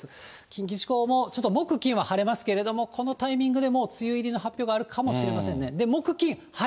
近畿地方も、ちょっと木、金は晴れますけれども、このタイミングで、もう梅雨入りの発表があるかもしれませんね。